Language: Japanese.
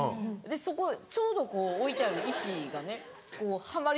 そこちょうど置いてある石がねはまり